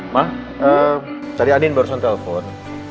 ma tadi andien baru saja telepon